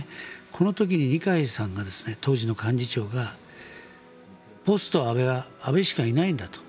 この時に二階さん、当時の幹事長がポスト安倍は安倍しかいないんだと。